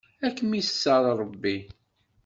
Ad kem-iṣer Ṛebbi.